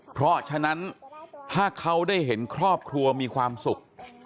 เพราะฉะนั้นถ้าเขาได้เห็นครอบครัวมีความสุข